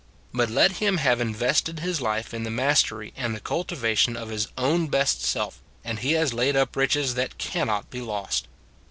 But let him have invested his life in the mastery and the cultivation of his own best self, and he has laid up riches that cannot be lost.